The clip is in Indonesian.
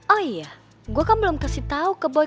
oh iya gue kan belum kasih tau ke boy